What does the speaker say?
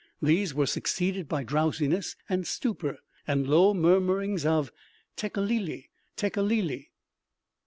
These were succeeded by drowsiness and stupor, and low murmurings of _"'Tekeli li! Tekeli li!"